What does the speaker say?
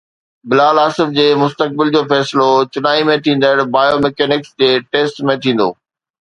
بلال آصف جي مستقبل جو فيصلو چنائي ۾ ٿيندڙ بائيو ميڪينڪس ٽيسٽ ۾ ٿيندو